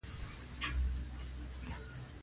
کورنیو به هم له خپلو ناروغانو سره اړیکه نه پاللـه.